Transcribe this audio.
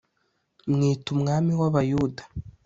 mwita umwami w Abayuda